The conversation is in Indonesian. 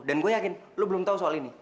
dan gue yakin lo belum tau soal ini